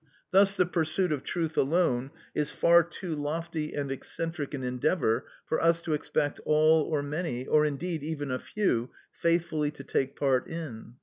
Thus the pursuit of truth alone is far too lofty and eccentric an endeavour for us to expect all or many, or indeed even a few, faithfully to take part in.